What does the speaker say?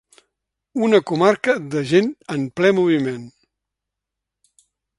Una comarca de gent en ple moviment.